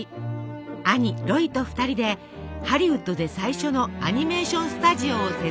兄ロイと２人でハリウッドで最初のアニメーション・スタジオを設立。